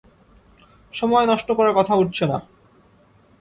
সময় নষ্ট করার কথা উঠছে না।